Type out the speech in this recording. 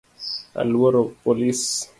Aluoro polis